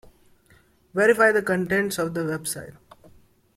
Verify the contents of the website.